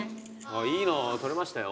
いいの撮れましたよ。